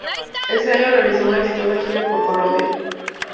Ese año realizó una exitosa gira por Colombia.